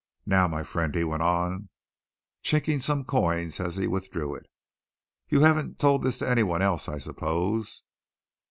"Now, my friend," he went on, chinking some coins as he withdrew it, "you haven't told this to any one else, I suppose?"